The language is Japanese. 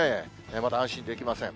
まだ安心できません。